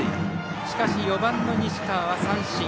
しかし４番の西川は三振。